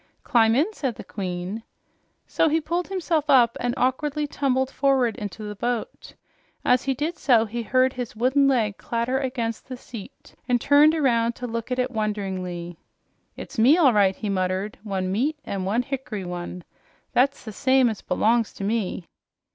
"Climb in," said the Queen. So he pulled himself up and awkwardly tumbled forward into the boat. As he did so, he heard his wooden leg clatter against the seat, and turned around to look at it wonderingly. "It's me, all right!" he muttered. "One meat one, an' one hick'ry one. That's the same as belongs to me!"